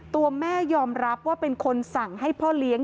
ตัวแม่ยอมรับว่าเป็นคนสั่งให้พ่อเลี้ยง